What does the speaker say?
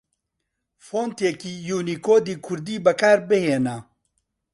فۆنتێکی یوونیکۆدی کوردی بەکاربهێنە